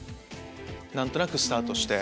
何となくスタートして。